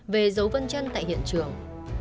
về dấu vân chân tại hiện trường